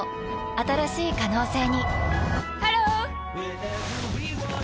新しい可能性にハロー！